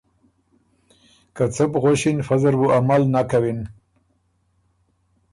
که څۀ بو غؤݭِن فۀ زر بُو عمل نک کَوِن